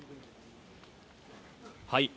はい。